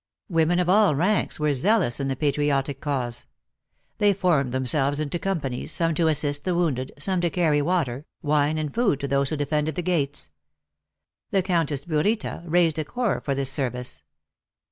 Women of all ranks were zealous in the patriotic cause. They formed themselves into companies, some to assist the wounded, some to carry water, wine and food to those who defended the gates. The Countess Burita raised a corps for this service.